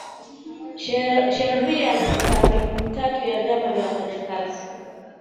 Sheria nambari tatu ya vyama vya wafanyakazi